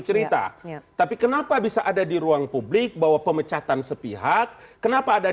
cerita tapi kenapa bisa ada di ruang publik bahwa pemecatan sepihak kenapa ada